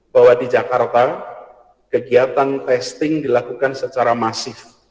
bahwa di jakarta kegiatan testing dilakukan secara masif